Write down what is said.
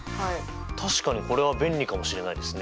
確かにこれは便利かもしれないですね。